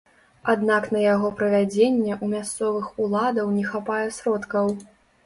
Аднак на яго правядзенне ў мясцовых уладаў не хапае сродкаў.